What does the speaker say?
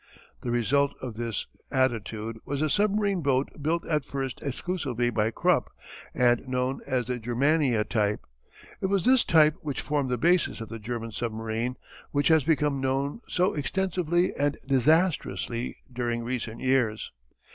The result of this attitude was a submarine boat built at first exclusively by Krupp and known as the "Germania" type. It was this type which formed the basis of the German submarine which has become known so extensively and disastrously during recent years.